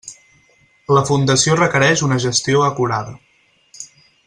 La fundació requereix una gestió acurada.